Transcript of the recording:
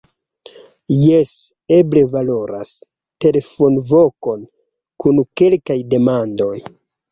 Jes, eble valoras telefonvokon kun kelkaj demandoj.